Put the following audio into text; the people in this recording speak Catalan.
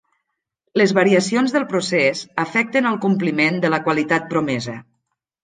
Les variacions del procés afecten el compliment de la qualitat promesa.